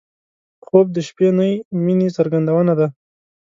خوب د شپهنۍ مینې څرګندونه ده